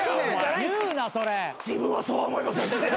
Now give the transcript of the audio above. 自分はそうは思いません。